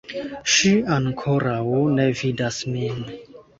Ŝi ankoraŭ ne vidas min